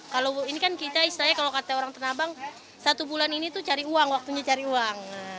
kalau ini kan kita istilahnya kalau kata orang tanah abang satu bulan ini tuh cari uang waktunya cari uang